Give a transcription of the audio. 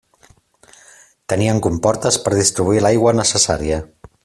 Tenien comportes per distribuir l'aigua necessària.